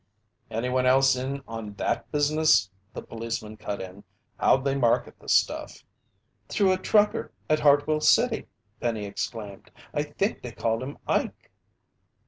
"Anyone else in on that business?" the policeman cut in. "How'd they market the stuff?" "Through a trucker at Hartwell City," Penny exclaimed. "I think they called him Ike."